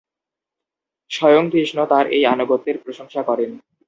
স্বয়ং কৃষ্ণ তাঁর এই আনুগত্যের প্রশংসা করেন।